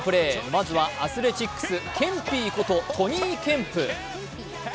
まずはアスレチックス、ケンピーこと、トニー・ケンプ。